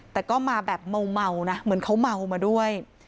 แต่ก็มาแบบเมานะเหมือนเขาเมามาด้วย